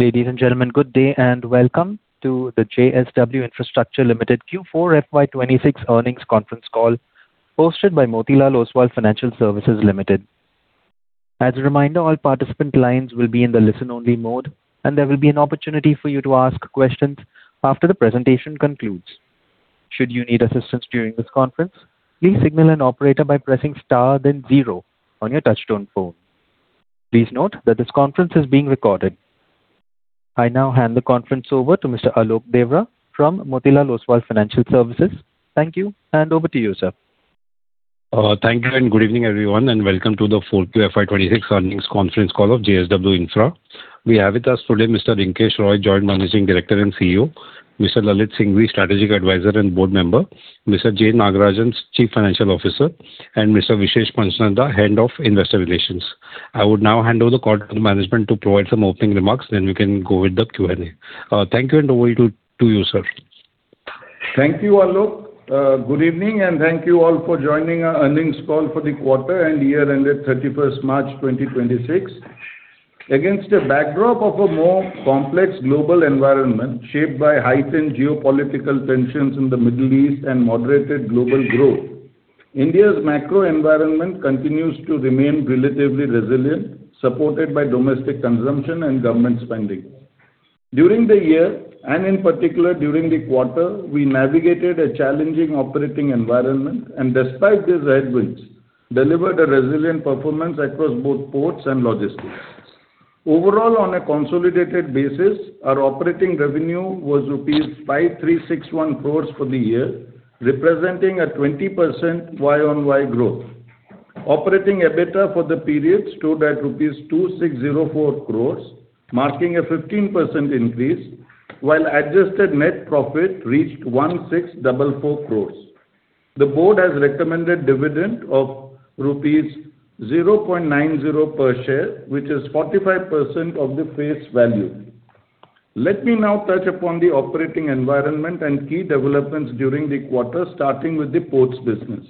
Ladies and gentlemen, good day and welcome to the JSW Infrastructure Limited Q4 FY 2026 Earnings Conference Call hosted by Motilal Oswal Financial Services Limited. As a reminder, all participant lines will be in the listen-only mode, and there will be an opportunity for you to ask questions after the presentation concludes. Should you need assistance during this conference, please signal an operator by pressing star then zero on your touchtone phone. Please note that this conference is being recorded. I now hand the conference over to Mr. Alok Deora from Motilal Oswal Financial Services. Thank you, and over to you, sir. Thank you, and good evening, everyone, and welcome to the 4Q FY 2026 Earnings Conference Call of JSW Infra. We have with us today Mr. Rinkesh Roy, Joint Managing Director and CEO, Mr. Lalit Singhvi, Strategic Advisor and Board Member, Mr. J. Nagarajan, Chief Financial Officer, and Mr. Vishesh Pachnanda, Head of Investor Relations. I would now hand over the call to the management to provide some opening remarks. We can go with the Q&A. Thank you, and over to you, sir. Thank you, Alok. Good evening, and thank you all for joining our earnings call for the quarter and year ended 31st March 2026. Against a backdrop of a more complex global environment shaped by heightened geopolitical tensions in the Middle East and moderated global growth, India's macro environment continues to remain relatively resilient, supported by domestic consumption and government spending. During the year, and in particular during the quarter, we navigated a challenging operating environment and despite these headwinds, delivered a resilient performance across both ports and logistics. Overall, on a consolidated basis, our operating revenue was rupees 5,361 crore for the year, representing a 20% YoY growth. Operating EBITDA for the period stood at 2,604 crore rupees, marking a 15% increase, while adjusted net profit reached 1,644 crore. The board has recommended dividend of rupees 0.90 per share, which is 45% of the face value. Let me now touch upon the operating environment and key developments during the quarter, starting with the ports business.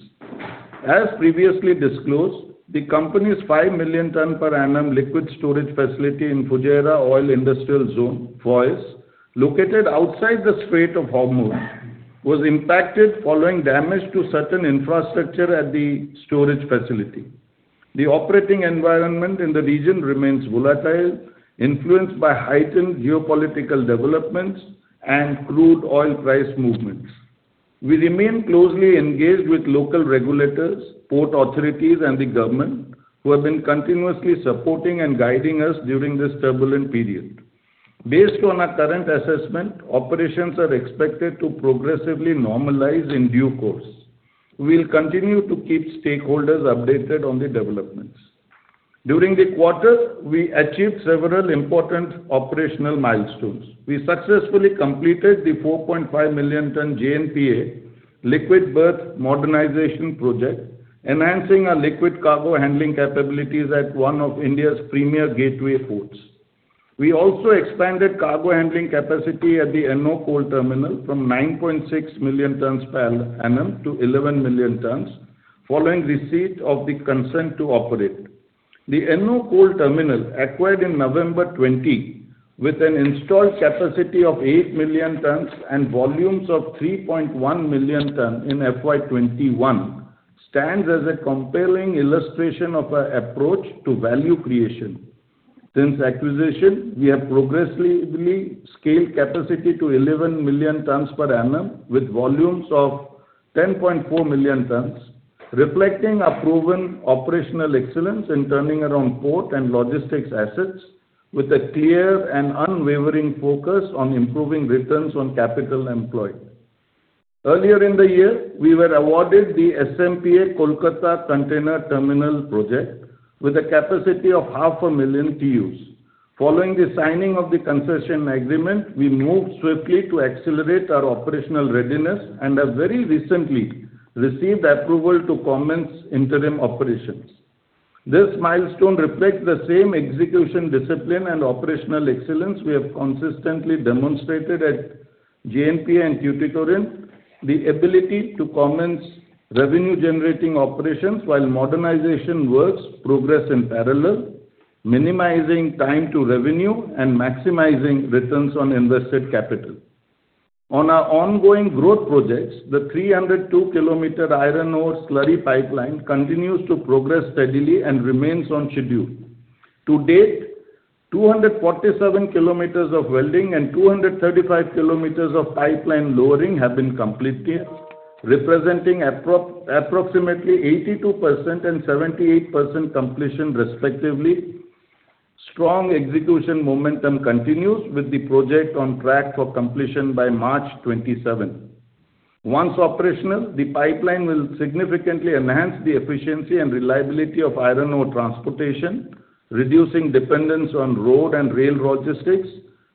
As previously disclosed, the company's five million tonne per annum liquid storage facility in Fujairah Oil Industrial Zone, FOIZ, located outside the Strait of Hormuz, was impacted following damage to certain infrastructure at the storage facility. The operating environment in the region remains volatile, influenced by heightened geopolitical developments and crude oil price movements. We remain closely engaged with local regulators, port authorities, and the government, who have been continuously supporting and guiding us during this turbulent period. Based on our current assessment, operations are expected to progressively normalize in due course. We'll continue to keep stakeholders updated on the developments. During the quarter, we achieved several important operational milestones. We successfully completed the 4.5 million tonne JNPA liquid berth modernization project, enhancing our liquid cargo handling capabilities at one of India's premier gateway ports. We also expanded cargo handling capacity at the Ennore Coal Terminal from 9.6 million tonnes per annum to 11 million tonnes following receipt of the consent to operate. The Ennore Coal Terminal, acquired in November 2020, with an installed capacity of eight million tonnes and volumes of 3.1 million tonne in FY 2021, stands as a compelling illustration of our approach to value creation. Since acquisition, we have progressively scaled capacity to 11 million tonnes per annum with volumes of 10.4 million tonnes, reflecting our proven operational excellence in turning around port and logistics assets with a clear and unwavering focus on improving returns on capital employed. Earlier in the year, we were awarded the Syama Prasad Mookerjee Port, Kolkata container terminal project with a capacity of half a million TEUs. Following the signing of the concession agreement, we moved swiftly to accelerate our operational readiness and have very recently received approval to commence interim operations. This milestone reflects the same execution discipline and operational excellence we have consistently demonstrated at JNPA and Tuticorin, the ability to commence revenue-generating operations while modernization works progress in parallel, minimizing time to revenue and maximizing returns on invested capital. On our ongoing growth projects, the 302-km iron ore slurry pipeline continues to progress steadily and remains on schedule. To date, 247 km of welding and 235 km of pipeline lowering have been completed, representing approximately 82% and 78% completion respectively. Strong execution momentum continues with the project on track for completion by March 2027. Once operational, the pipeline will significantly enhance the efficiency and reliability of iron ore transportation, reducing dependence on road and rail logistics,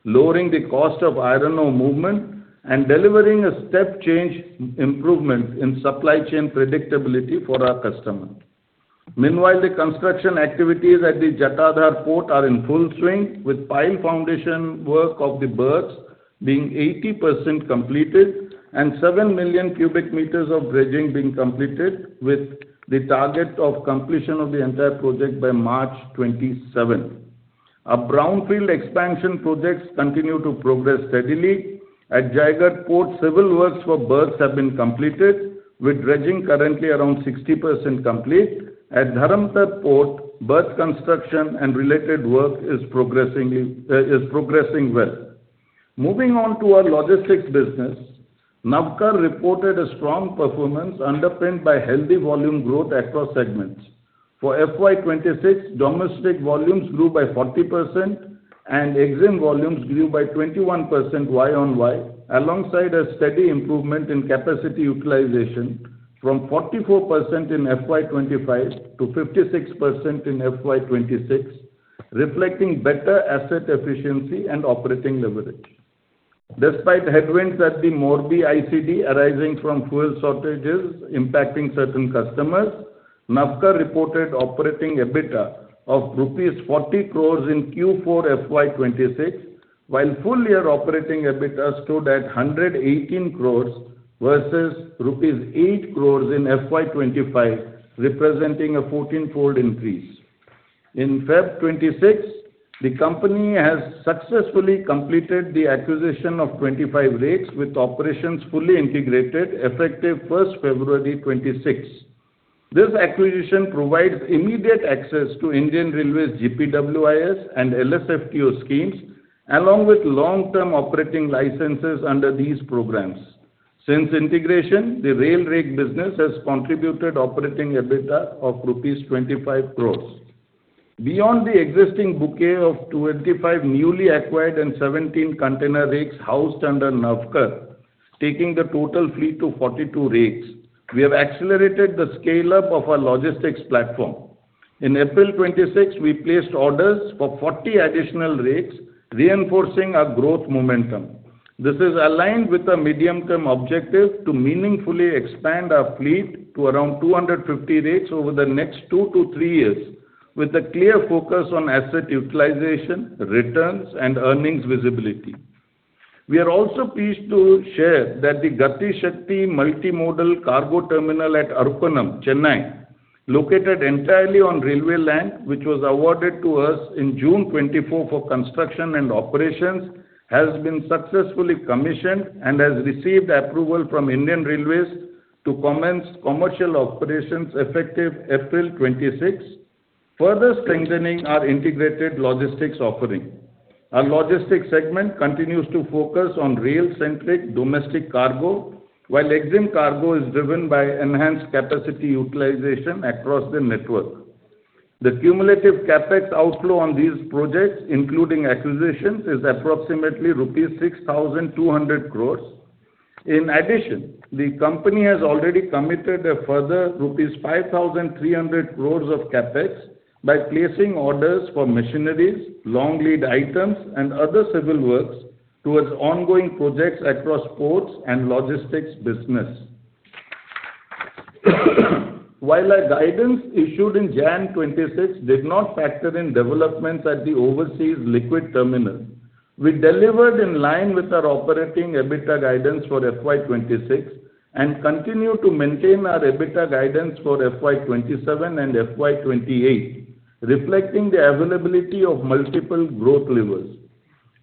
lowering the cost of iron ore movement, and delivering a step change improvement in supply chain predictability for our customer. Meanwhile, the construction activities at the Jatadhar Port are in full swing with pile foundation work of the berths being 80% completed and seven million cubic meters of dredging being completed, with the target of completion of the entire project by March 27th. Our brownfield expansion projects continue to progress steadily. At Jaigarh Port, civil works for berths have been completed, with dredging currently around 60% complete. At Dharamtar Port, berth construction and related work is progressing well. Moving on to our logistics business, Navkar reported a strong performance underpinned by healthy volume growth across segments. For FY 2026, domestic volumes grew by 40% and exim volumes grew by 21% YoY, alongside a steady improvement in capacity utilization from 44% in FY 2025 to 56% in FY 2026, reflecting better asset efficiency and operating leverage. Despite headwinds at the Morbi ICD arising from fuel shortages impacting certain customers, Navkar reported operating EBITDA of rupees 40 crore in Q4 FY 2026, while full-year operating EBITDA stood at 118 crore versus rupees 8 crore in FY 2025, representing a 14-fold increase. In February 2026, the company has successfully completed the acquisition of 25 rakes, with operations fully integrated effective 1st February 2026. This acquisition provides immediate access to Indian Railways GPWIS and LSFTO schemes, along with long-term operating licenses under these programs. Since integration, the rail rake business has contributed operating EBITDA of rupees 25 crore. Beyond the existing bouquet of 25 newly acquired and 17 container rakes housed under Navkar, taking the total fleet to 42 rakes, we have accelerated the scale-up of our logistics platform. In April 26, we placed orders for 40 additional rakes, reinforcing our growth momentum. This is aligned with our medium-term objective to meaningfully expand our fleet to around 250 rakes over the next two to three years, with a clear focus on asset utilization, returns, and earnings visibility. We are also pleased to share that the Gati Shakti Multi-Modal Cargo Terminal at Arakkonam, Chennai, located entirely on railway land, which was awarded to us in June 24 for construction and operations, has been successfully commissioned and has received approval from Indian Railways to commence commercial operations effective April 26, further strengthening our integrated logistics offering. Our logistics segment continues to focus on rail-centric domestic cargo, while exim cargo is driven by enhanced capacity utilization across the network. The cumulative CapEx outflow on these projects, including acquisitions, is approximately rupees 6,200 crore. In addition, the company has already committed a further rupees 5,300 crore of CapEx by placing orders for machineries, long lead items, and other civil works towards ongoing projects across ports and logistics business. While our guidance issued in January 2026 did not factor in developments at the overseas liquid terminal, we delivered in line with our operating EBITDA guidance for FY 2026 and continue to maintain our EBITDA guidance for FY 2027 and FY 2028, reflecting the availability of multiple growth levers.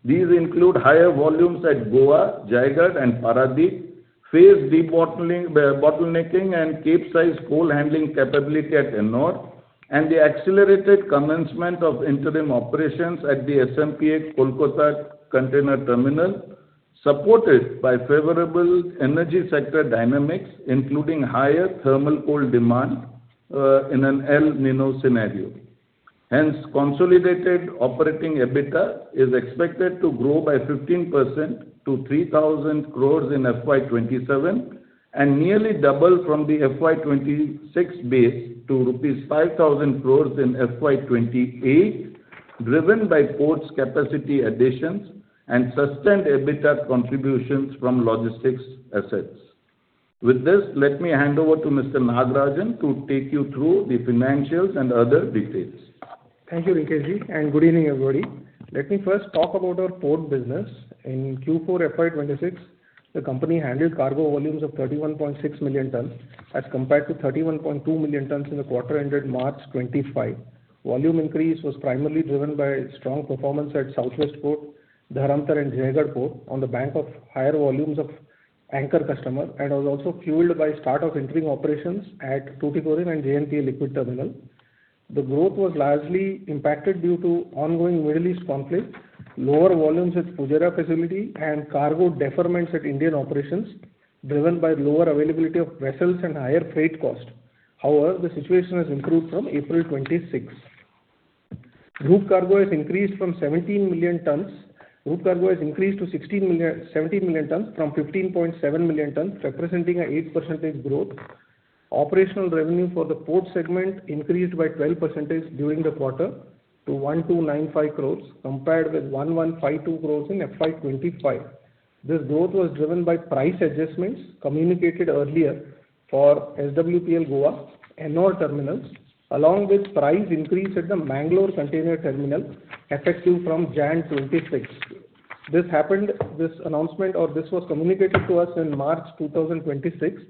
These include higher volumes at Goa, Jaigarh, and Paradip, phased debottling, bottlenecking, and capesize coal handling capability at Ennore, and the accelerated commencement of interim operations at the SMPK Kolkata Container Terminal, supported by favorable energy sector dynamics, including higher thermal coal demand in an El Niño scenario. Consolidated operating EBITDA is expected to grow by 15% to 3,000 crore in FY 2027 and nearly double from the FY 2026 base to rupees 5,000 crore in FY 2028, driven by ports capacity additions and sustained EBITDA contributions from logistics assets. With this, let me hand over to Mr. Nagarajan to take you through the financials and other details. Thank you, Rinkesh, and good evening, everybody. Let me first talk about our port business. In Q4 FY 2026, the company handled cargo volumes of 31.6 million tonnes as compared to 31.2 million tonnes in the quarter ended March 2025. Volume increase was primarily driven by strong performance at South West Port, Dharamtar and Jaigarh Port on the back of higher volumes of anchor customer and was also fueled by start of interim operations at Tuticorin and JSW JNPT Liquid Terminal. The growth was largely impacted due to ongoing Middle East conflict, lower volumes at Fujairah facility and cargo deferments at Indian operations, driven by lower availability of vessels and higher freight cost. However, the situation has improved from April 2026. Group cargo has increased from 17 million tonnes. Group cargo has increased to 16 million, 17 million tonnes from 15.7 million tonnes, representing an 8% growth. Operational revenue for the port segment increased by 12% during the quarter to 1,295 crore compared with 1,152 crore in FY 2025. This growth was driven by price adjustments communicated earlier. For SWPL Goa and Ennore terminals, along with price increase at the Mangalore Container Terminal effective from January 2026. This announcement or this was communicated to us in March 2026,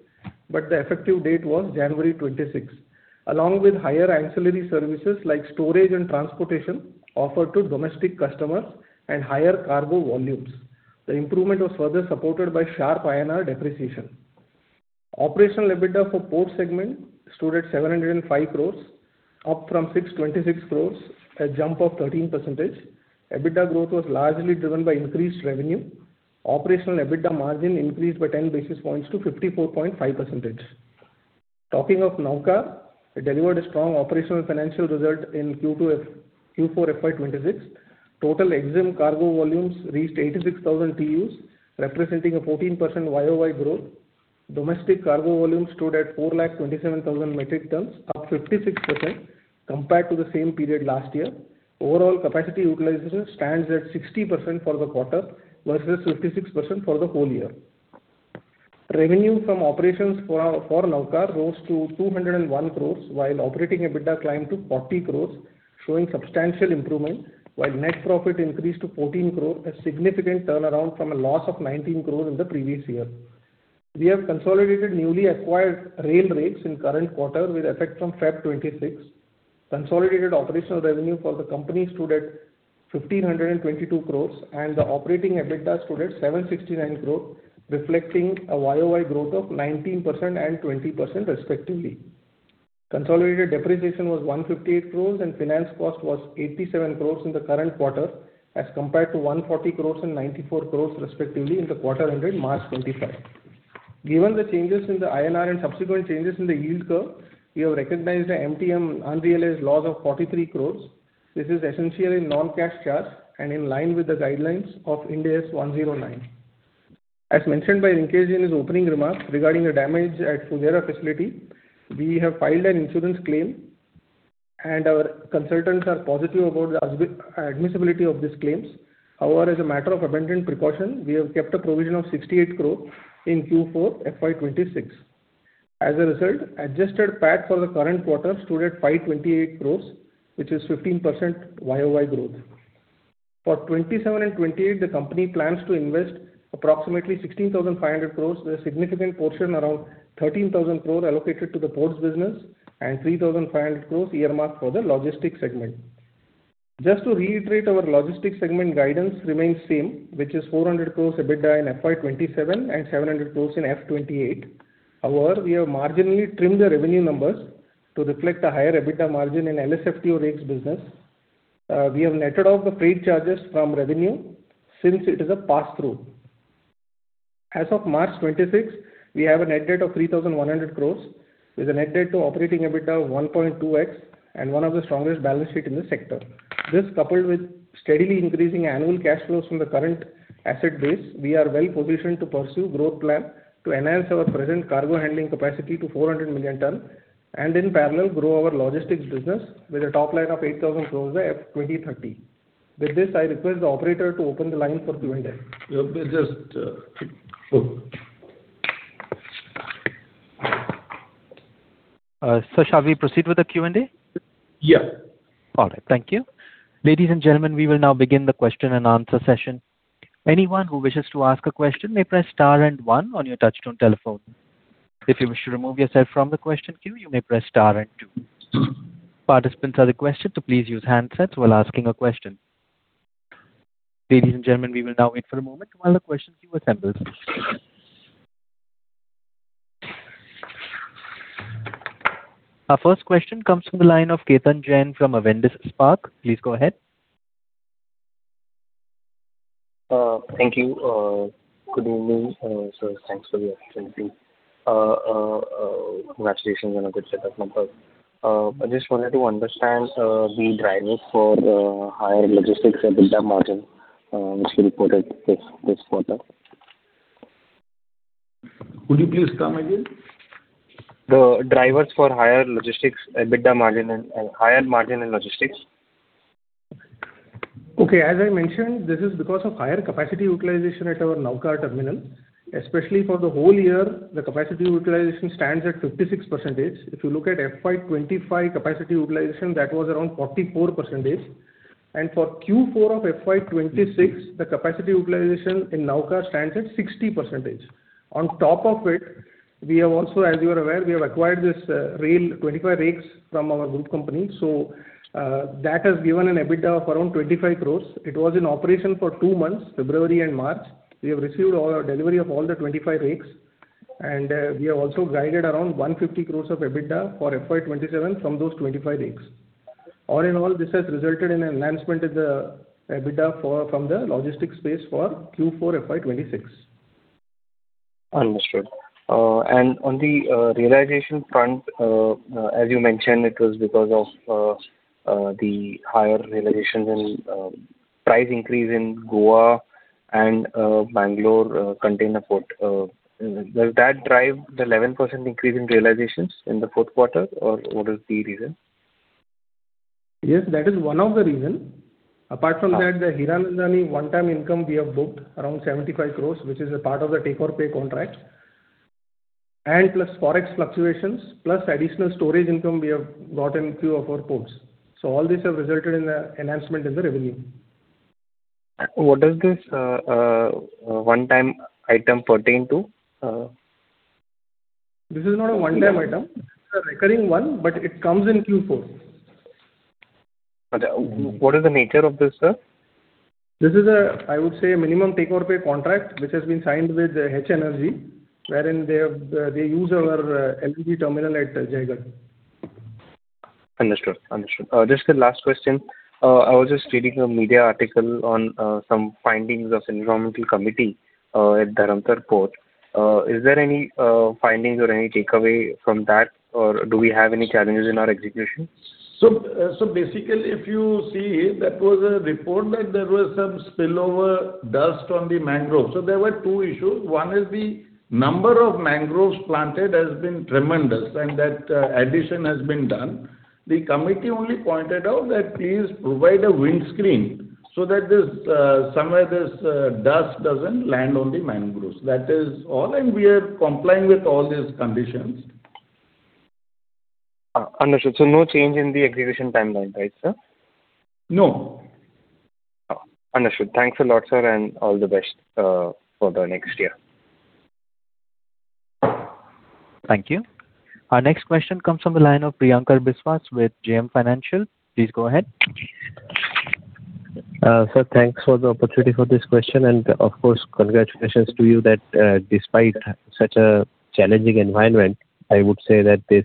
the effective date was January 2026. Along with higher ancillary services like storage and transportation offered to domestic customers and higher cargo volumes. The improvement was further supported by sharp INR depreciation. Operational EBITDA for port segment stood at 705 crore, up from 626 crore, a jump of 13%. EBITDA growth was largely driven by increased revenue. Operational EBITDA margin increased by 10 basis points to 54.5%. Talking of Navkar, it delivered a strong operational financial result in Q4 FY 2026. Total exim cargo volumes reached 86,000 TEUs, representing a 14% YoY growth. Domestic cargo volume stood at 427,000 metric tons, up 56% compared to the same period last year. Overall capacity utilization stands at 60% for the quarter, versus 56% for the whole year. Revenue from operations for Navkar rose to 201 crore, while operating EBITDA climbed to 40 crore, showing substantial improvement, while net profit increased to 14 crore, a significant turnaround from a loss of 19 crore in the previous year. We have consolidated newly acquired rail rakes in current quarter with effect from February 2026. Consolidated operational revenue for the company stood at 1,522 crore, and the operating EBITDA stood at 769 crore, reflecting a YoY growth of 19% and 20% respectively. Consolidated depreciation was 158 crore and finance cost was 87 crore in the current quarter as compared to 140 crore and 94 crore respectively in the quarter ended March 2025. Given the changes in the INR and subsequent changes in the yield curve, we have recognized a MTM unrealized loss of 43 crore. This is essentially non-cash charge and in line with the guidelines of Ind AS 109. As mentioned by Rinkesh in his opening remarks regarding the damage at Fujairah facility, we have filed an insurance claim and our consultants are positive about the admissibility of these claims. As a matter of abundant precaution, we have kept a provision of 68 crore in Q4 FY 2026. As a result, adjusted PAT for the current quarter stood at 528 crore, which is 15% YoY growth. For 2027 and 2028, the company plans to invest approximately 16,500 crore, with a significant portion around 13,000 crore allocated to the ports business and 3,500 crore earmarked for the logistics segment. Just to reiterate, our logistics segment guidance remains same, which is 400 crore EBITDA in FY 2027 and 700 crore in FY 2028. We have marginally trimmed the revenue numbers to reflect a higher EBITDA margin in LSFTO or rigs business. We have netted off the freight charges from revenue since it is a pass-through. As of March 26, we have a net debt of 3,100 crore with a net debt to operating EBITDA of 1.2x and one of the strongest balance sheet in the sector. This coupled with steadily increasing annual cash flows from the current asset base, we are well-positioned to pursue growth plan to enhance our present cargo handling capacity to 400 million ton and in parallel grow our logistics business with a top line of 8,000 crore by FY 2030. With this, I request the operator to open the line for Q&A. Yeah, just. Shall we proceed with the Q&A? Yeah. All right. Thank you. Ladies and gentlemen, we will now begin the question and answer session. Anyone who wishes to ask a question may press star and one on your touch-tone telephone. If you wish to remove yourself from the question queue, you may press star and two. Participants are requested to please use handsets while asking a question. Ladies and gentlemen, we will now wait for a moment while the question queue assembles. Our first question comes from the line of Ketan Jain from Avendus Spark. Please go ahead. Thank you. Good evening, sir. Thanks for the opportunity. Congratulations on a good set of numbers. I just wanted to understand the drivers for higher logistics EBITDA margin, which you reported this quarter. Could you please come again? The drivers for higher logistics EBITDA margin and higher margin in logistics. Okay. As I mentioned, this is because of higher capacity utilization at our Navkar terminal, especially for the whole year, the capacity utilization stands at 56%. If you look at FY 2025 capacity utilization, that was around 44%. For Q4 of FY 2026, the capacity utilization in Navkar stands at 60%. On top of it, we have also, as you are aware, we have acquired this rail, 25 rigs from our group company. That has given an EBITDA of around 25 crore. It was in operation for two months, February and March. We have received all our delivery of all the 25 rigs, we have also guided around 150 crore of EBITDA for FY 2027 from those 25 rigs. All in all, this has resulted in enhancement in the EBITDA from the logistics space for Q4 FY 2026. Understood. On the realization front, as you mentioned, it was because of the higher realizations and price increase in Goa and Mangalore, container port. Does that drive the 11% increase in realizations in the Q4, or what is the reason? Yes, that is one of the reasons. Apart from that, the Hiranandani one-time income we have booked around 75 crore, which is a part of the take-or-pay contract. Plus Forex fluctuations, plus additional storage income we have got in few of our ports. All these have resulted in the enhancement in the revenue. What does this one-time item pertain to? This is not a one-time item. It's a recurring one, but it comes in Q4. What is the nature of this, sir? This is a, I would say, a minimum take-or-pay contract which has been signed with H-Energy, wherein they use our LNG terminal at Jaigarh. Understood. Understood. Just the last question. I was just reading a media article on some findings of environmental committee at Dharamtar Port. Is there any findings or any takeaway from that, or do we have any challenges in our execution? Basically, if you see, that was a report that there was some spillover dust on the mangroves. There were two issues. One is the number of mangroves planted has been tremendous, and that addition has been done. The committee only pointed out that please provide a windscreen so that this dust doesn't land on the mangroves. That is all, and we are complying with all these conditions. understood. No change in the execution timeline, right, sir? No. Understood. Thanks a lot, sir, and all the best for the next year. Thank you. Our next question comes from the line of Priyankar Biswas with JM Financial. Please go ahead. Sir, thanks for the opportunity for this question. Of course, congratulations to you that, despite such a challenging environment, I would say that this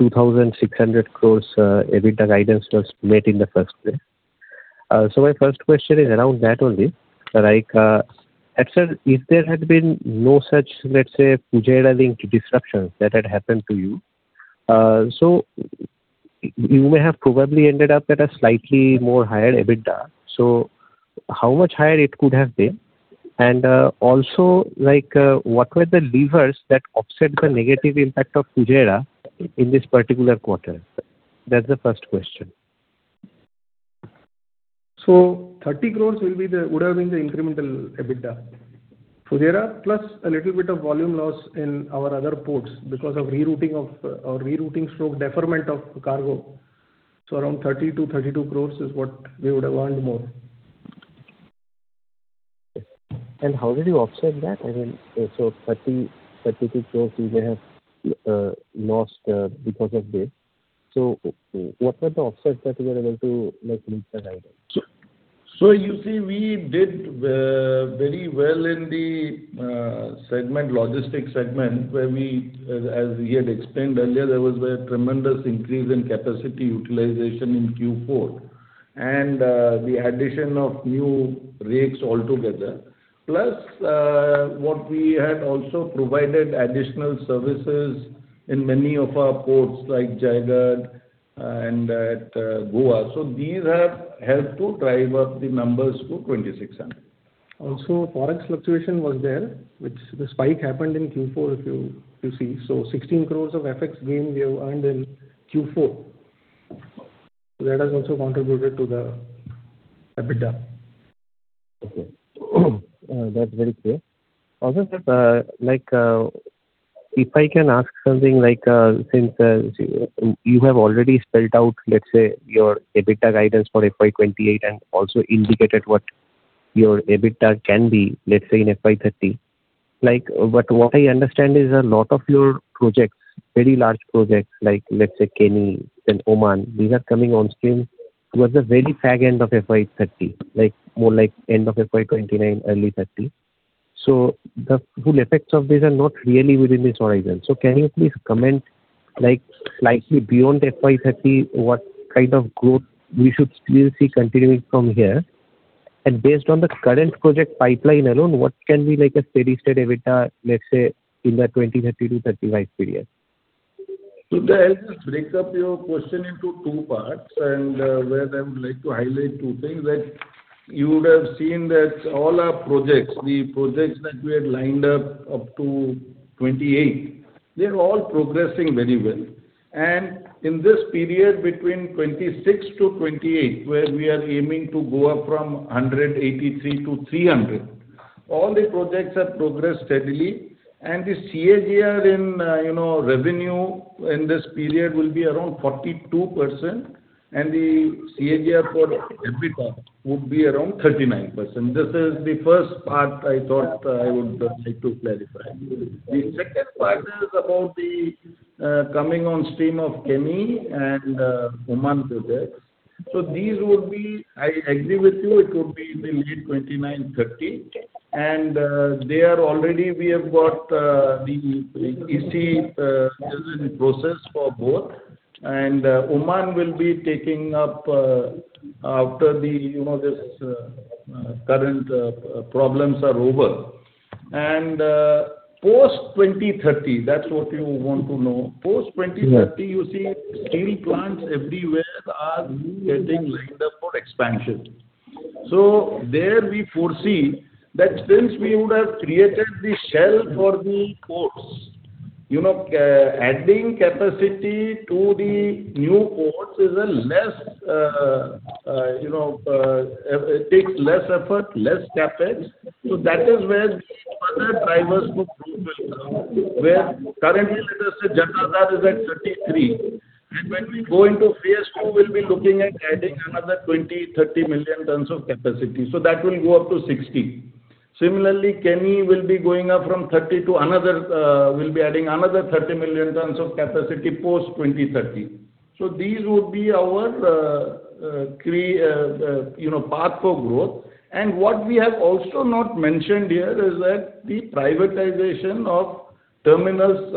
2,600 crore EBITDA guidance was met in the first place. My first question is around that only. Like, if there had been no such, let's say, Fujairah-linked disruptions that had happened to you may have probably ended up at a slightly more higher EBITDA. How much higher it could have been? Also, like, what were the levers that offset the negative impact of Fujairah in this particular quarter? That's the first question. 30 crore would have been the incremental EBITDA. Fujairah plus a little bit of volume loss in our other ports because of rerouting stroke deferment of cargo. Around 30 crore-32 crore is what we would have earned more. How did you offset that? I mean, 30 crore-32 crore you may have lost because of this. What were the offsets that you were able to, like, reach that item? You see, we did very well in the segment, logistics segment, as we had explained earlier, there was a tremendous increase in capacity utilization in Q4. The addition of new rigs altogether. What we had also provided additional services in many of our ports like Jaigarh and at Goa. These have helped to drive up the numbers to 2,600. Forex fluctuation was there, which the spike happened in Q4, if you see. 16 crore of FX gain we have earned in Q4. That has also contributed to the EBITDA. Okay. That's very clear. Sir, like, if I can ask something like, since you have already spelled out, let's say, your EBITDA guidance for FY 2028 and also indicated what your EBITDA can be, let's say, in FY 2030. What I understand is a lot of your projects, very large projects, like, let's say, Keni and Oman, these are coming on stream towards the very fag end of FY 2030, like, more like end of FY 2029, early 2030. The full effects of these are not really within this horizon. Can you please comment, like, slightly beyond FY 2030, what kind of growth we should still see continuing from here? Based on the current project pipeline alone, what can be like a steady-state EBITDA, let's say, in the 2030 to 2035 period? I'll just break up your question into two parts, and where I would like to highlight two things that you would have seen that all our projects, the projects that we had lined up up to 2028, they're all progressing very well. In this period between 2026 to 2028, where we are aiming to go up from 183 to 300, all the projects have progressed steadily. The CAGR in, you know, revenue in this period will be around 42%. The CAGR for EBITDA would be around 39%. This is the first part I thought I would like to clarify. The second part is about the coming on stream of Keni and Oman projects. I agree with you, it could be the mid 2029, 2030. They are already we have got, the EC, development process for both. Oman will be taking up, after the, you know, this, current, problems are over. Post 2030, that's what you want to know. Yeah you see steel plants everywhere are getting lined up for expansion. There we foresee that since we would have created the shell for the ports, you know, adding capacity to the new ports is a less, you know, it takes less effort, less CapEx. That is where the other drivers for growth will come, where currently let us say Jatadhar is at 33 million tons, and when we go into phase II, we'll be looking at adding another 20 million tons, 30 million tons of capacity. That will go up to 60 million tons. Keni will be going up from 30 million tons to another. We'll be adding another 30 million tons of capacity post 2030. These would be our, you know, path for growth. What we have also not mentioned here is that the privatization of terminals,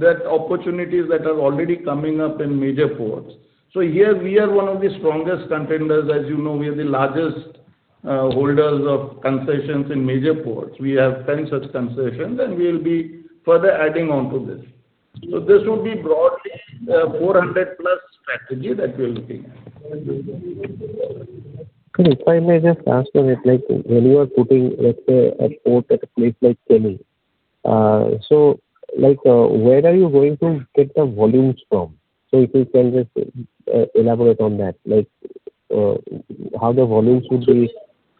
that opportunities that are already coming up in major ports. Here we are one of the strongest contenders. As you know, we are the largest holders of concessions in major ports. We have 10 such concessions, and we'll be further adding on to this. This would be broadly, 400 plus strategy that we are looking at. If I may just ask on it, like, when you are putting, let's say, a port at a place like Keni, like, where are you going to get the volumes from? If you can just elaborate on that, like, how the volumes would be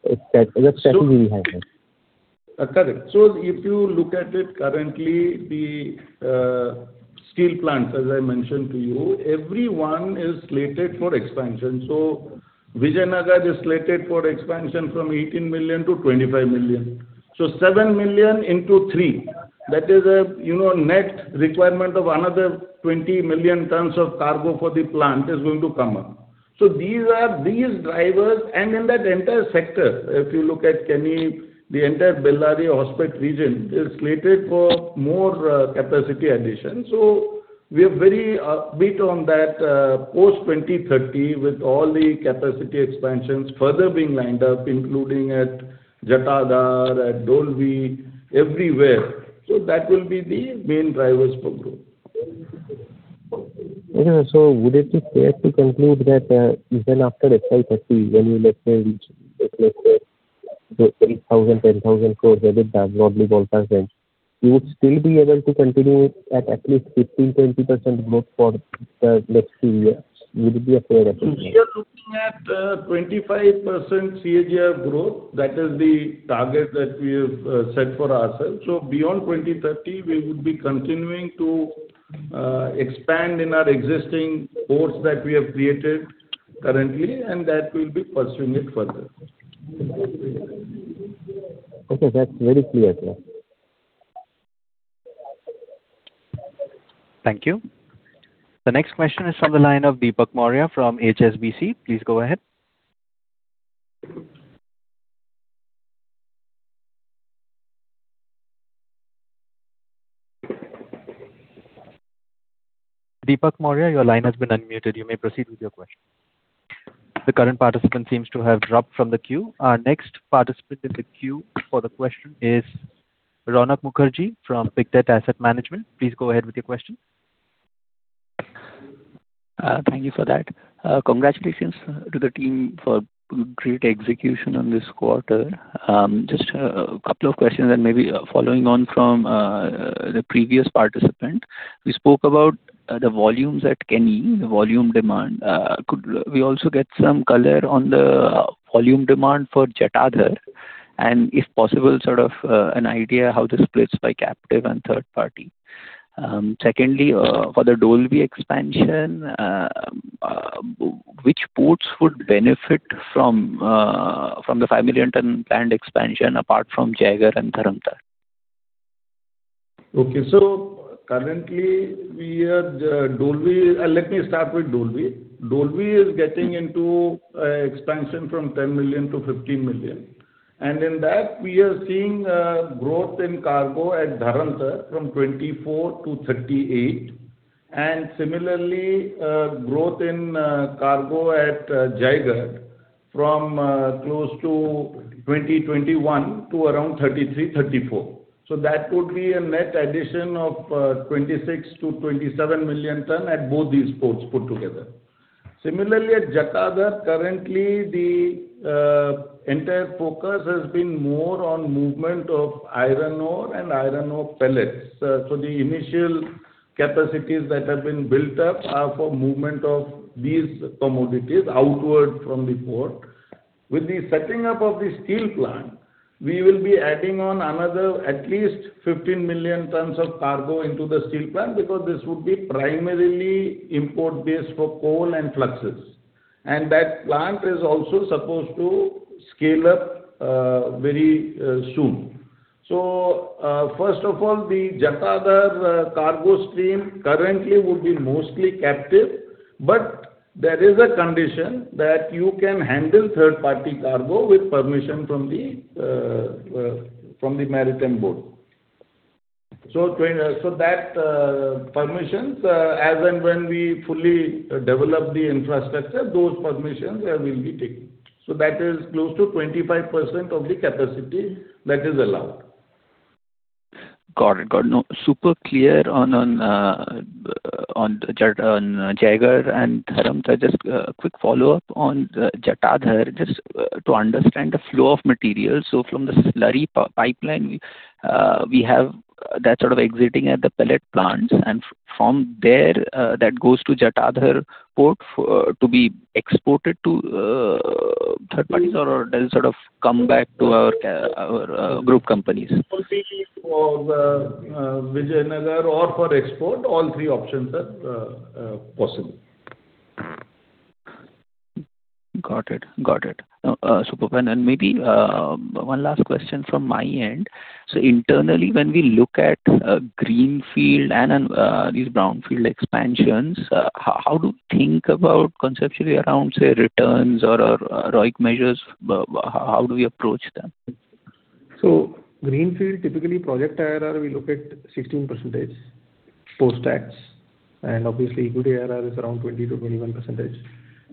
established, the strategy behind it? Correct. If you look at it currently, the steel plants, as I mentioned to you, everyone is slated for expansion. Vijayanagar is slated for expansion from 18 million-25 million. 7 million into 3 million. That is a net requirement of another 20 million tons of cargo for the plant is going to come up. These are these drivers. In that entire sector, if you look at Keni, the entire Bellary-Hospet region is slated for more capacity addition. We are very beat on that post 2030 with all the capacity expansions further being lined up, including at Jatadhar, at Dolvi, everywhere. That will be the main drivers for growth. Yeah. Would it be fair to conclude that, even after FY 2030, when you reach 8,000 crore-10,000 crore revenue, broadly all constants, you would still be able to continue at least 15%-20% growth for the next few years? Would it be a fair assumption? We are looking at 25% CAGR growth. That is the target that we have set for ourselves. Beyond 2030, we would be continuing to expand in our existing ports that we have created currently, and that we'll be pursuing it further. Okay. That's very clear, sir. Thank you. The next question is from the line of Deepak Maurya from HSBC. Please go ahead. Deepak Maurya, your line has been unmuted. You may proceed with your question. The current participant seems to have dropped from the queue. Our next participant in the queue for the question is Raunak Mukherjee from Bigdata Asset Management. Please go ahead with your question. Thank you for that. Congratulations to the team for great execution on this quarter. Just a couple of questions and maybe following on from the previous participant. We spoke about the volumes at Keni, the volume demand. Could we also get some color on the volume demand for Jatadhar? If possible, sort of, an idea how this splits by captive and third party. Secondly, for the Dolvi expansion, which ports would benefit from the 5 million tons planned expansion apart from Jaigarh and Dharamtar? Okay. Currently we are Dolvi. Let me start with Dolvi. Dolvi is getting into expansion from 10 million-15 million. In that, we are seeing growth in cargo at Dharamtar from 24 to 38. Similarly, growth in cargo at Jaigarh from close to 20, 21 to around 33, 34. That would be a net addition of 26 million ton-27 million ton at both these ports put together. Similarly, at Jatadhar, currently the entire focus has been more on movement of iron ore and iron ore pellets. The initial capacities that have been built up are for movement of these commodities outward from the port. With the setting up of the steel plant, we will be adding on another at least 15 million tons of cargo into the steel plant because this would be primarily import base for coal and fluxes. That plant is also supposed to scale up very soon. First of all, the Jatadhar cargo stream currently would be mostly captive, but there is a condition that you can handle third-party cargo with permission from the Maritime Board. Permissions, as and when we fully develop the infrastructure, those permissions will be taken. That is close to 25% of the capacity that is allowed. Got it. No, super clear on Jaigarh and Dharamtar. Just a quick follow-up on the Jatadhar, just to understand the flow of materials. From the slurry pipeline, we have that sort of exiting at the pellet plant and from there, that goes to Jatadhar Port to be exported to third parties or does it sort of come back to our Group companies? For Vijayanagar or for export, all three options are possible. Got it. Got it. Super. Maybe one last question from my end. Internally, when we look at greenfield and these brownfield expansions, how to think about conceptually around, say, returns or ROIC measures, how do we approach them? Greenfield, typically project IRR, we look at 16% post-tax, and obviously equity IRR is around 20%-21%.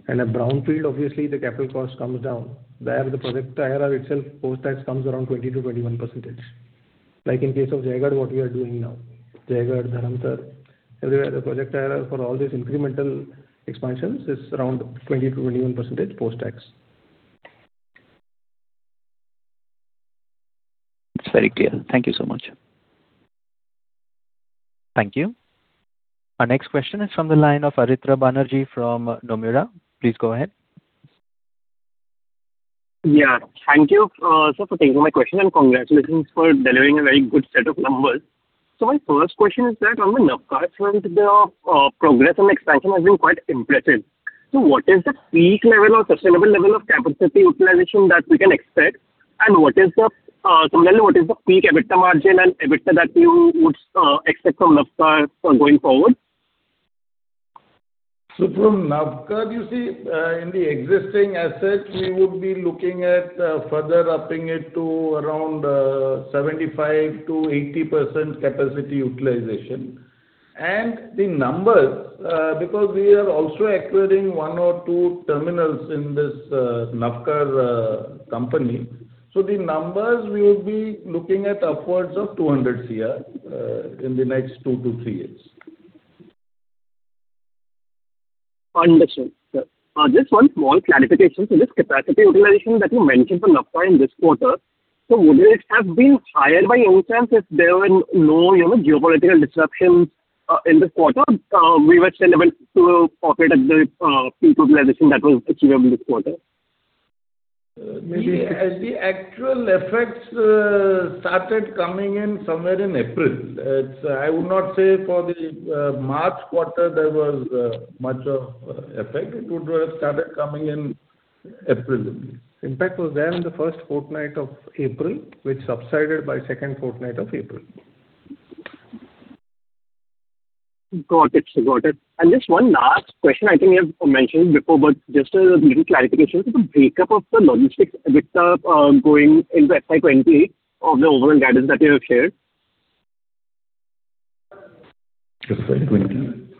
A brownfield, obviously the capital cost comes down. There the project IRR itself post-tax comes around 20%-21%. Like in case of Jaigarh, what we are doing now. Jaigarh, Dharamtar, everywhere the project IRR for all these incremental expansions is around 20%-21% post-tax. It's very clear. Thank you so much. Thank you. Our next question is from the line of Aditya Banerjee from Nomura. Please go ahead. Yeah. Thank you, sir, for taking my question, and congratulations for delivering a very good set of numbers. My first question is that on the Navkar front, the progress and expansion has been quite impressive. What is the peak level or sustainable level of capacity utilization that we can expect? What is the, similarly, what is the peak EBITDA margin and EBITDA that you would expect from Navkar for going forward? From Navkar, you see, in the existing assets, we would be looking at further upping it to around 75%-80% capacity utilization. The numbers, because we are also acquiring one or two terminals in this Navkar company, the numbers we will be looking at upwards of 200 crore in the next two to three years. Understood, sir. Just one small clarification. This capacity utilization that you mentioned for Navkar in this quarter, would it have been higher by any chance if there were no, you know, geopolitical disruptions in this quarter? We were still able to pocket at the peak utilization that was achievable this quarter. The actual effects started coming in somewhere in April. I would not say for the March quarter there was much of effect. It would have started coming in April only. Impact was there in the first fortnight of April, which subsided by second fortnight of April. Got it, sir. Got it. Just one last question. I think you have mentioned before, but just a little clarification. The breakup of the logistics EBITDA going into FY 2028 of the overall guidance that you have shared. Just a second.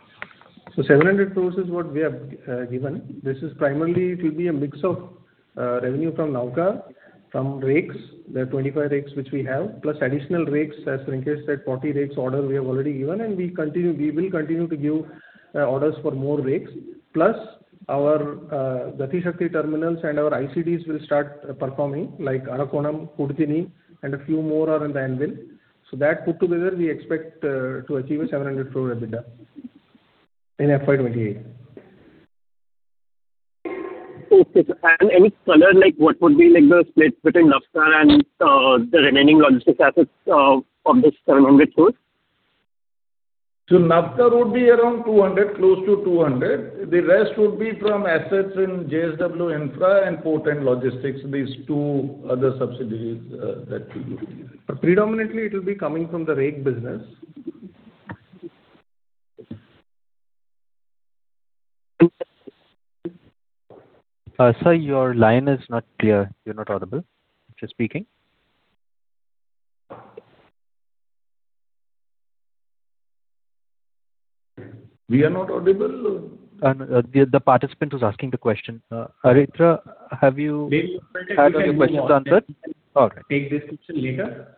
700 crore is what we have given. This is primarily it will be a mix of revenue from Navkar, from rakes, the 25 rakes which we have, plus additional rakes. As Rinkesh said, 40 rakes order we have already given, and we will continue to give orders for more rakes. Plus our Gati Shakti terminals and our ICDs will start performing, like Arakkonam, Kudatini, and a few more are in the anvil. That put together, we expect to achieve 700 crore EBITDA in FY 2028. Okay, sir. Any color, like what would be like the split between Navkar and the remaining logistics assets of this 700 crore? Navkar would be around 200, close to 200. The rest would be from assets in JSW Infra and Port and Logistics, these two other subsidiaries that we use. Predominantly, it will be coming from the rake business. Sir, your line is not clear. You're not audible. Just speaking. We are not audible? No. The participant who's asking the question. Aditya, have you. Maybe, Prateek, we can move on. Have you had all your questions answered? We can take this question later.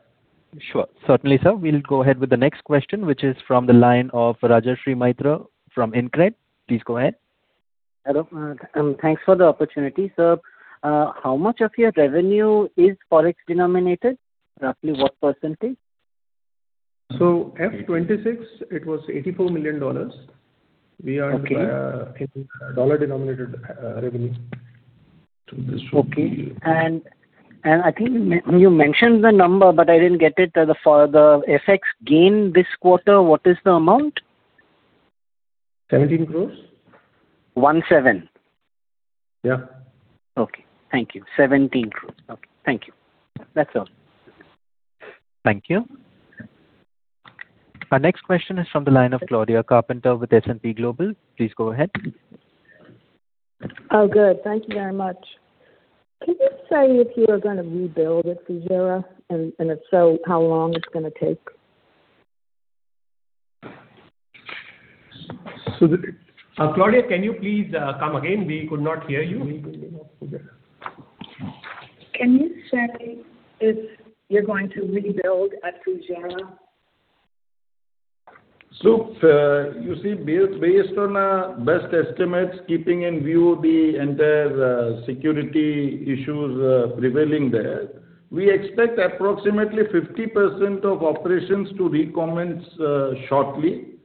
Sure. Certainly, sir. We'll go ahead with the next question, which is from the line of Rajarshi Maitra from InCred. Please go ahead. Hello. Thanks for the opportunity, sir. How much of your revenue is Forex denominated? Roughly what percentage? FY 2026 it was $84 million. Okay. In dollar-denominated revenue. Okay. I think you mentioned the number, but I didn't get it. For the FX gain this quarter, what is the amount? 17 crore. 17? Yeah. Okay. Thank you. 17 crore. Okay. Thank you. That's all. Thank you. Our next question is from the line of Claudia Carpenter with S&P Global. Please go ahead. Oh, good. Thank you very much. Can you say if you are going to rebuild at Vizag? If so, how long it's going to take? Claudia, can you please come again? We could not hear you. Can you say if you're going to rebuild at Fujairah? You see, based on best estimates, keeping in view the entire security issues prevailing there, we expect approximately 50% of operations to recommence shortly,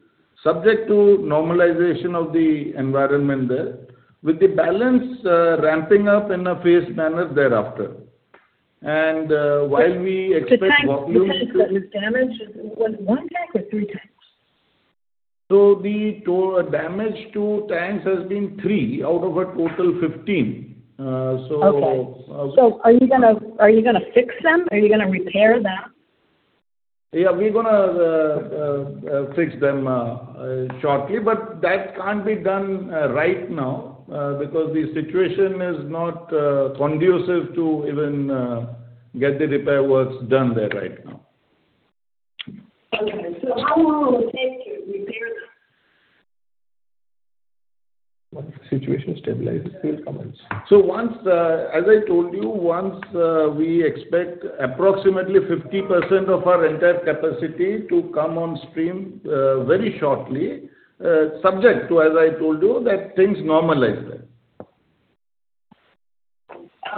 subject to normalization of the environment there, with the balance ramping up in a phased manner thereafter. The tanks that was damaged, was it one tank or three tanks? Damage to tanks has been three out of a total 15. Okay. Are you gonna fix them? Are you gonna repair them? Yeah, we're gonna fix them shortly, but that can't be done right now because the situation is not conducive to even get the repair works done there right now. Okay. How long will it take to repair them? Once the situation stabilizes, we'll commence. Once, as I told you, once, we expect approximately 50% of our entire capacity to come on stream very shortly, subject to, as I told you, that things normalize there.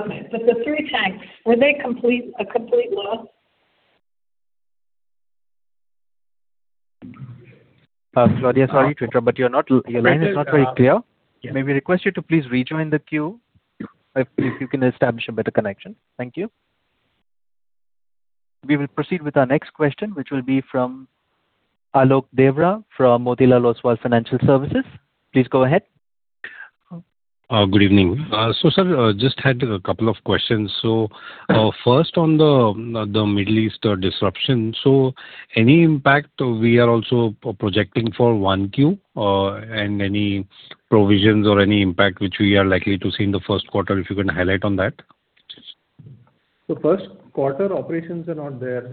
Okay. The three tanks, were they complete, a complete loss? Claudia, sorry to interrupt, your line is not very clear. May we request you to please rejoin the queue if you can establish a better connection. Thank you. We will proceed with our next question, which will be from Alok Deora from Motilal Oswal Financial Services. Please go ahead. Good evening. Sir, just had a couple of questions. First on the Middle East disruption. Any impact we are also projecting for 1 Q, and any provisions or any impact which we are likely to see in the Q1, if you can highlight on that? Q1 operations are not there,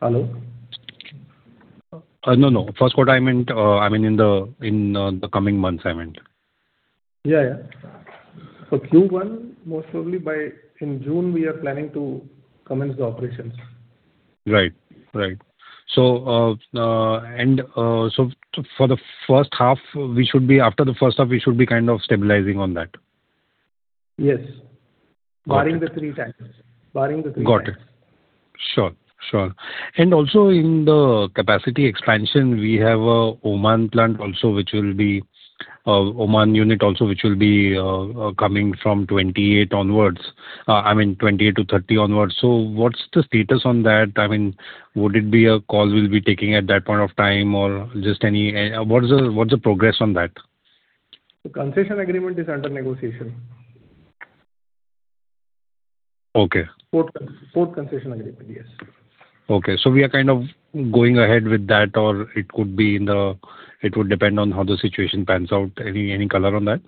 Alok. No. Q1 I meant, I mean in the coming months I meant. Yeah, yeah. Q1, most probably in June we are planning to commence the operations. Right. Right. After the H1, we should be kind of stabilizing on that. Yes. Got it. Barring the three tanks. Got it. Sure. Sure. Also in the capacity expansion, we have a Oman unit also which will be coming from 2028 onwards. I mean 2028 to 2030 onwards. What's the status on that? I mean, would it be a call we'll be taking at that point of time or just any? What's the progress on that? The concession agreement is under negotiation. Okay. Port concession agreement, yes. Okay. We are kind of going ahead with that, or it could be. It would depend on how the situation pans out. Any color on that?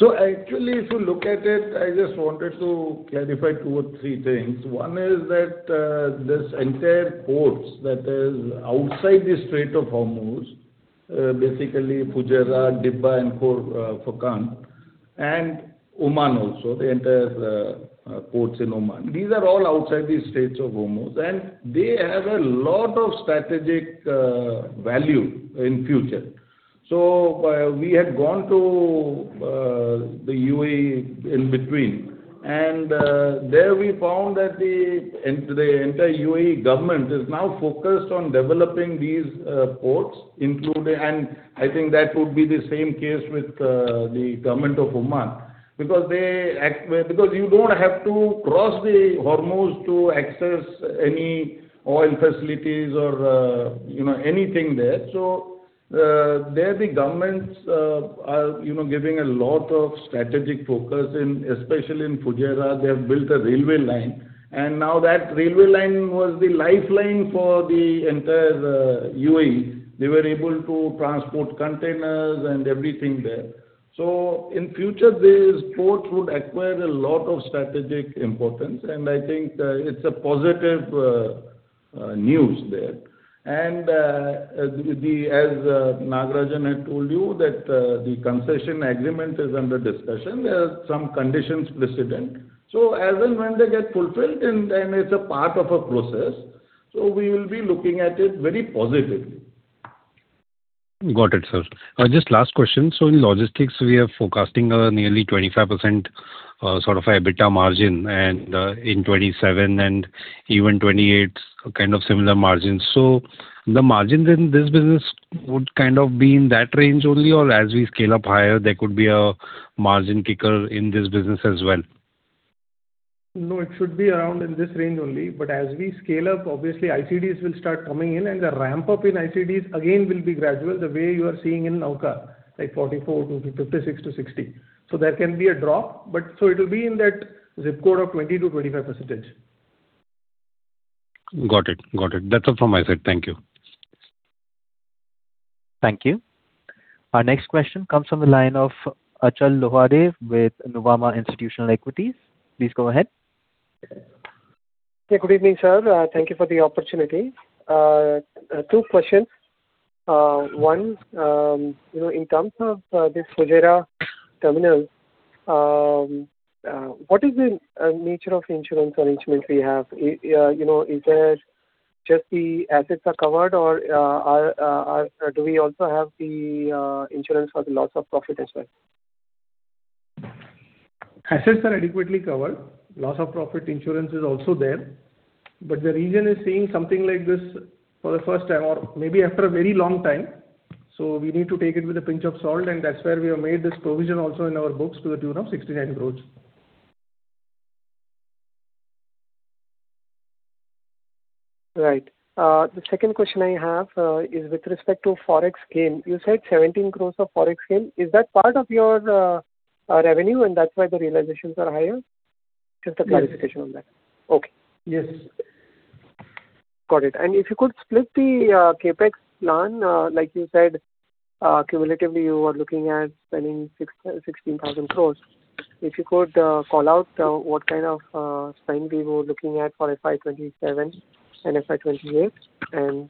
Actually, if you look at it, I just wanted to clarify two or three things. One is that, this entire ports that is outside the Strait of Hormuz, basically Fujairah, Dibba, and Khor Fakkan, and Oman also, the entire ports in Oman. These are all outside the Strait of Hormuz, and they have a lot of strategic value in future. We had gone to the UAE in between and there we found that the entire UAE government is now focused on developing these ports, including And I think that would be the same case with the government of Oman because you don't have to cross the Hormuz to access any oil facilities or, you know, anything there. There the governments are, you know, giving a lot of strategic focus in, especially in Fujairah. They have built a railway line, and now that railway line was the lifeline for the entire UAE. They were able to transport containers and everything there. In future, these ports would acquire a lot of strategic importance, and I think it's a positive news there. The, as Nagarajan had told you, that the concession agreement is under discussion. There are some conditions precedent. As and when they get fulfilled, and it's a part of a process, we will be looking at it very positively. Got it, sir. Just last question. In logistics we are forecasting nearly 25% sort of EBITDA margin and in 2027 and even 2028 kind of similar margins. The margins in this business would kind of be in that range only, or as we scale up higher there could be a margin kicker in this business as well? No, it should be around in this range only. As we scale up, obviously, ICDs will start coming in, and the ramp-up in ICDs again will be gradual, the way you are seeing in Navkar, like 44% to 56% to 60%. There can be a drop, it'll be in that zip code of 20%-25%. Got it. Got it. That's all from my side. Thank you. Thank you. Our next question comes from the line of Achal Lohade with Nuvama Institutional Equities. Please go ahead. Good evening, sir. Thank you for the opportunity. Two questions. One, you know, in terms of this Fujairah terminal, what is the nature of insurance arrangement we have? You know, is it just the assets are covered or do we also have the insurance for the loss of profit as well? Assets are adequately covered. Loss of profit insurance is also there. The region is seeing something like this for the first time or maybe after a very long time. We need to take it with a pinch of salt, and that's where we have made this provision also in our books to the tune of 69 crore. Right. The second question I have is with respect to forex gain. You said 17 crore of forex gain. Is that part of your revenue and that's why the realizations are higher? Just a clarification on that. Yes. Okay. Yes. Got it. If you could split the CapEx plan, like you said, cumulatively you are looking at spending 16,000 crore. If you could call out what kind of spend we were looking at for FY 2027 and FY 2028 and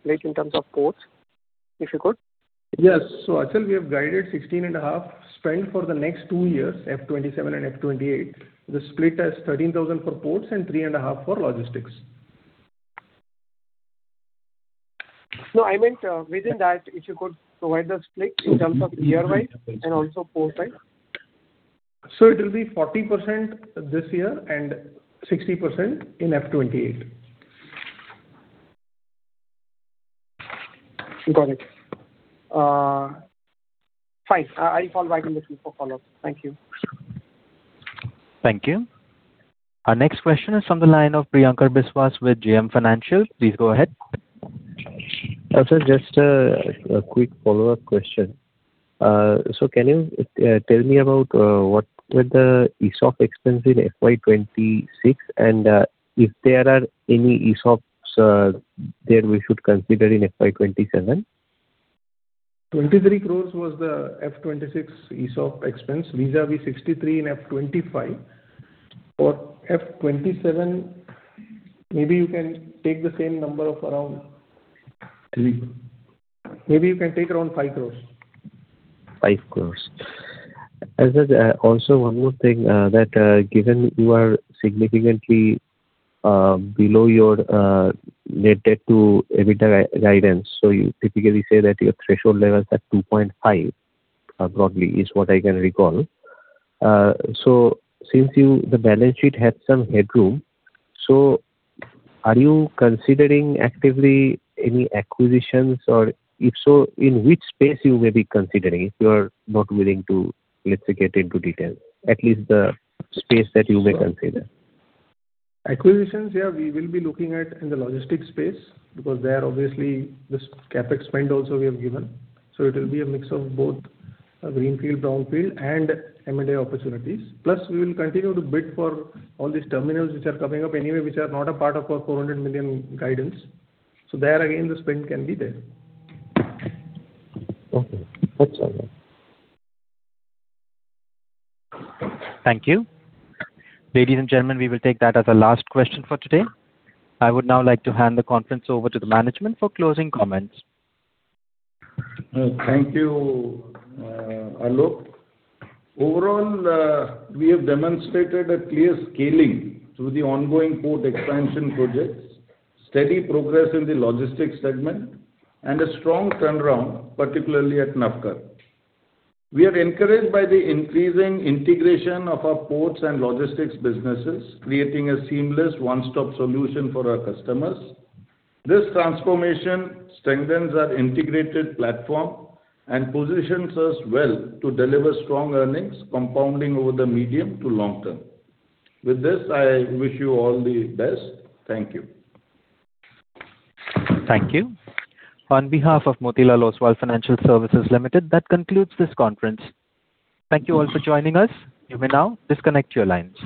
split in terms of ports, if you could. Yes, Achal, we have guided 16,500 crore spend for the next two years, FY 2027 and FY 2028. The split is 13,000 crore for ports and 3,500 crore for logistics. No, I meant, within that, if you could provide the split in terms of year-wise and also port-wise. it will be 40% this year and 60% in FY 2028. Got it. Fine. I'll call back in the queue for follow-up. Thank you. Thank you. Our next question is from the line of Priyankar Biswas with JM Financial. Please go ahead. Achal, just a quick follow-up question. Can you tell me about what were the ESOP expense in FY 2026 and if there are any ESOPs that we should consider in FY 2027? 23 crore was the FY 2026 ESOP expense vis-à-vis INR 63 crore in FY 2025. For FY 2027, maybe you can take the same number of around 3 crore. Maybe you can take around 5 crore. 5 crore. Achal, also one more thing, that, given you are significantly below your net debt to EBITDA guidance, you typically say that your threshold level is at 2.5, broadly, is what I can recall. Since the balance sheet has some headroom, are you considering actively any acquisitions? If so, in which space you may be considering, if you're not willing to, let's say, get into detail. At least the space that you may consider. Acquisitions, yeah, we will be looking at in the logistics space because there obviously this CapEx spend also we have given. It will be a mix of both, greenfield, brownfield and M&A opportunities. We will continue to bid for all these terminals which are coming up anyway, which are not a part of our 400 million crore guidance. There again, the spend can be there. Okay. That's all. Thank you. Ladies and gentlemen, we will take that as our last question for today. I would now like to hand the conference over to the management for closing comments. Thank you, Alok. Overall, we have demonstrated a clear scaling through the ongoing port expansion projects, steady progress in the logistics segment, and a strong turnaround, particularly at Navkar. We are encouraged by the increasing integration of our ports and logistics businesses, creating a seamless one-stop solution for our customers. This transformation strengthens our integrated platform and positions us well to deliver strong earnings compounding over the medium to long term. With this, I wish you all the best. Thank you. Thank you. On behalf of Motilal Oswal Financial Services Limited, that concludes this conference. Thank you all for joining us. You may now disconnect your lines.